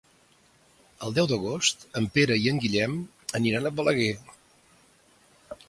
El deu d'agost en Pere i en Guillem aniran a Balaguer.